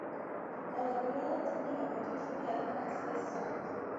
თავდაპირველად წიგნი გამოიცა შვიდი ასლის სახით.